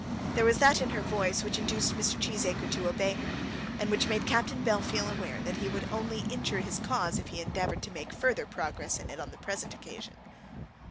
There was that in her voice which induced Mr. Cheesacre to obey her, and which made Captain Bellfield aware that he would only injure his cause if he endeavoured to make further progress in it on the present occasion.